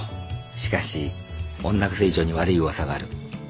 しかし女癖以上に悪い噂がある。